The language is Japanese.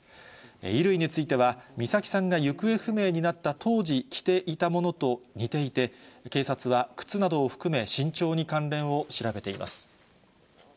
衣類については、美咲さんが行方不明になった当時着ていたものと似ていて、警察は靴などを含め、慎重に関連を調べています。